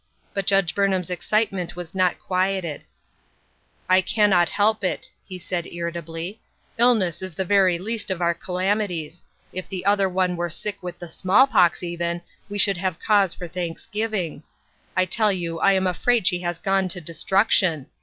But Judge Burnham's excitement was not quieted. " I cannot help it, " he said irritably, " illness is the very least of our calamities ; if the other one were sick with the small pox, even, we should have cause for thanksgiving. I tell you I am afraid she has gone to destruction.